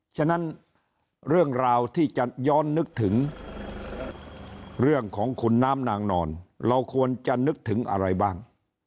ฉะนั้นเรื่องราวที่จะย้อนนึกถึงเรื่องของขุนน้ำนางนอนเราควรจะนึกถึงอะไรบ้าง